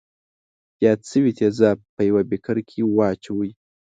یاد شوي تیزاب په یوه بیکر کې واچوئ.